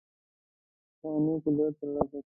پخوانی قدرت ترلاسه کړ.